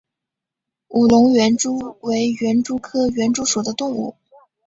武隆园蛛为园蛛科园蛛属的动物。